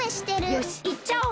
よしいっちゃおう。